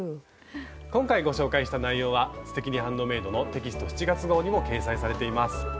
今回ご紹介した内容は「すてきにハンドメイド」のテキスト７月号にも掲載されています。